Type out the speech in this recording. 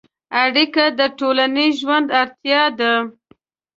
اړیکه د ټولنیز ژوند اړتیا ده.